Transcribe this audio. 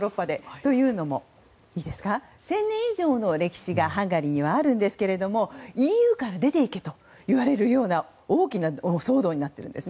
というのも１０００年以上の歴史がハンガリーにはありますがＥＵから出て行けと言われるような大きな騒動になっているんです。